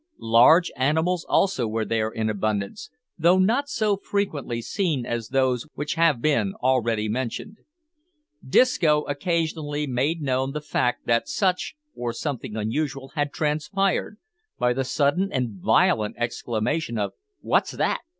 Large animals also were there in abundance, though not so frequently seen as those which have been already mentioned. Disco occasionally made known the fact that such, or something unusual, had transpired, by the sudden and violent exclamation of "What's that?"